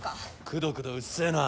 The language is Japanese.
くどくどうっせえな。